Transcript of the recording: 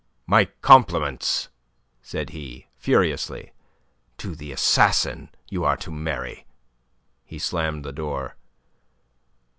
"My compliments," said he, furiously, "to the assassin you are to marry." He slammed the door.